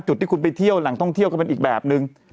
จุดที่คุณไปเที่ยวแหล่งท่องเที่ยวก็เป็นอีกแบบนึง